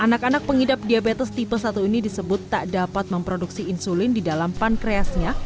anak anak pengidap diabetes tipe satu ini disebut tak dapat memproduksi insulin di dalam pankreasnya